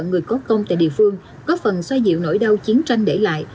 người có công tại địa phương có phần xoay dịu nỗi đau chiến tranh để lại